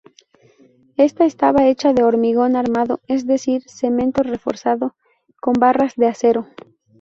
Esta estaba hecha de hormigón armado, es decir, cemento reforzado con barras de acero.